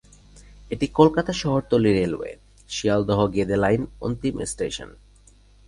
এটি কলকাতা শহরতলি রেলওয়ের শিয়ালদহ-গেদে লাইনের অন্তিম স্টেশন।